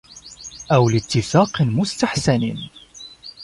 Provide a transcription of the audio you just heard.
أَوْ لِاتِّفَاقٍ مُسْتَحْسَنٍ